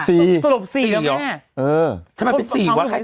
สี่สี่แล้วแม่สะดวก๔อ่ะเออ